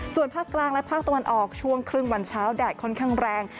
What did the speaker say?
ส่วนภาคกลางและภาคตะวันออกช่วงครึ่งวันเช้าแดดค่อนข้างแรง